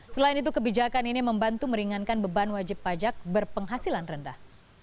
selain itu kebijakan ini membantu meringankan beban wajib pajak berpenghasilan rendah